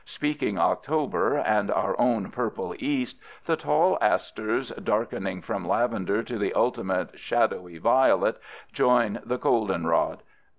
Speaking October and our own purple East, the tall asters, darkening from lavender to the ultimate shadowy violet, join the goldenrod.